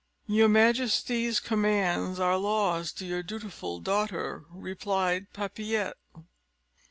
"Your majesty's commands are laws to your dutiful daughter," replied Papillette.